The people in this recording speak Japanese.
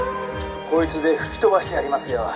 こいつで吹き飛ばしてやりますよ。